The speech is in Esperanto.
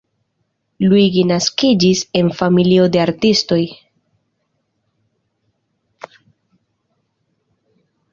Luigi naskiĝis en familio de artistoj.